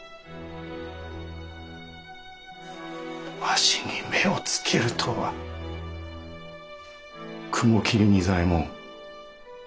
わしに目をつけるとは雲霧仁左衛門